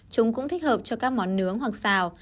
chúng cũng thích hợp cho các món nướng hoặc xào